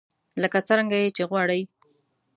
لکه څرنګه يې چې غواړئ.